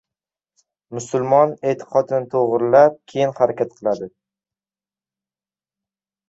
"Musulmon e’tiqodini to‘g‘rilab, keyin harakat qiladi..."